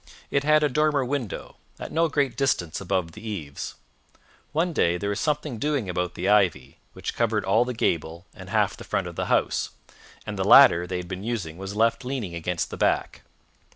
It had a dormer window, at no great distance above the eaves. One day there was something doing about the ivy, which covered all the gable and half the front of the house, and the ladder they had been using was left leaning against the back.